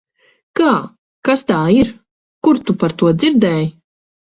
Kā? Kas tā ir? Kur tu par to dzirdēji?